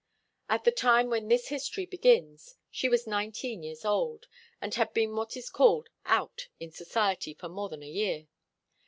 At the time when this history begins, she was nineteen years old, and had been what is called 'out' in society for more than a year.